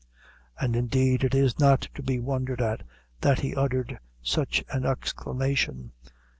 And, indeed, it is not to be wondered at that he uttered such an exclamation.